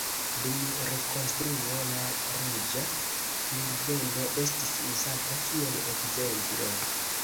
Dum rekonstruo la reĝa pingveno estis uzata kiel ekzemplo.